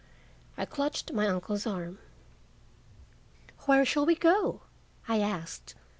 I clutched my uncle's arm. "Where shall we go?" I asked.